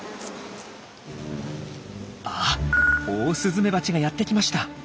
あっオオスズメバチがやって来ました。